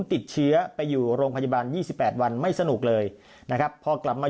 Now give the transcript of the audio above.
ติดเชื้อไปอยู่โรงพยาบาล๒๘วันไม่สนุกเลยนะครับพอกลับมา